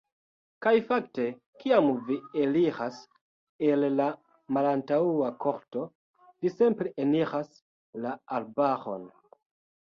Kaj fakte, kiam vi eliras el la malantaŭa korto, vi simple eniras la arbaron.